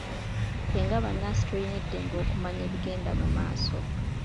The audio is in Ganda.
Ffe nga bannansi tulina eddembe okumanya ebigenda mu maaso.